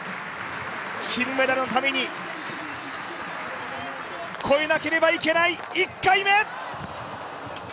金メダルのために越えなければいけない、１回目！